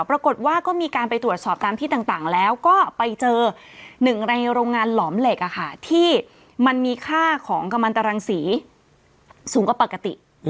ปรากฏว่าก็มีการไปตรวจสอบตามที่ต่างแล้วก็ไปเจอหนึ่งในโรงงานหลอมเหล็กที่มันมีค่าของกำลังตรังสีสูงกว่าปกติ